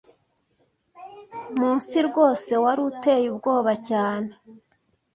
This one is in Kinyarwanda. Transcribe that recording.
munsi rwose wari uteye ubwoba cyane.